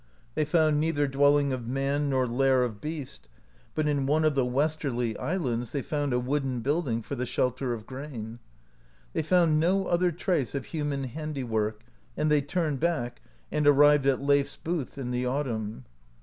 They found neither dwelling of man nor lair of beast; but in one of the westerly islands they found a wooden building for the shelter of grain (67). They found no other trace of human handiwork, and they turned back, and arrived at Leif s booth in the autumn.